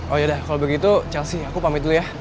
oh yaudah kalau begitu chelsea aku pamit dulu ya